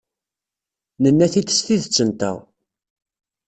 Nenna-t-id s tidet-nteɣ.